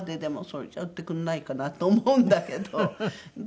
それじゃ売ってくれないかな？と思うんだけど。